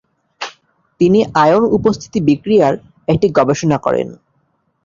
তিনি আয়ন উপস্থিতি বিক্রিয়ার একটি গবেষণা করেন।